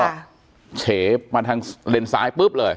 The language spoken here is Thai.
แล้วก็เฉมาทางเลนส้ายปุ๊บเลย